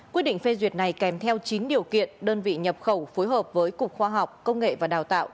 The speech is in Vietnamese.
quyết định phê duyệt này kèm theo chín điều kiện đơn vị nhập khẩu phối hợp với cục khoa học công nghệ và đào tạo